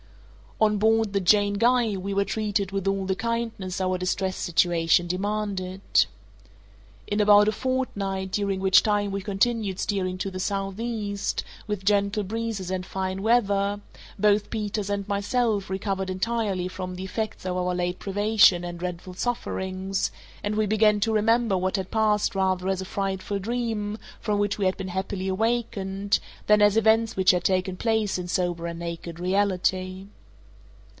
_ On board the Jane Guy we were treated with all the kindness our distressed situation demanded. In about a fortnight, during which time we continued steering to the southeast, with gentle breezes and fine weather, both Peters and myself recovered entirely from the effects of our late privation and dreadful sufferings, and we began to remember what had passed rather as a frightful dream from which we had been happily awakened, than as events which had taken place in sober and naked reality.